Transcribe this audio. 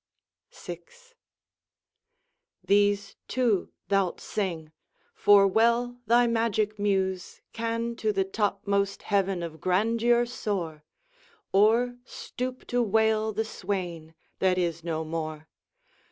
VI These, too, thou'lt sing! for well thy magic Muse Can to the topmost heaven of grandeur soar! Or stoop to wail the swain that is no more!